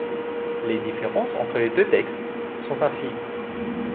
Les différences entre les deux textes sont infimes.